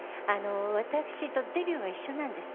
私とデビューが一緒なんです。